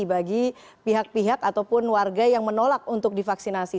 bagi pihak pihak ataupun warga yang menolak untuk divaksinasi